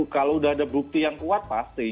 kalau sudah ada bukti yang kuat pasti